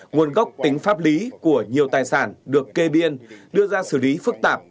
nguồn gốc tính pháp lý của nhiều tài sản được kê biên đưa ra xử lý phức tạp